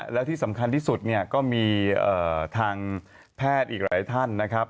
แล้วที่สำคัญที่สุดเนี่ยก็มีทางแพทย์อีกหลายท่านนะครับ